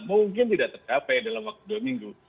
mungkin tidak tercapai dalam waktu dua minggu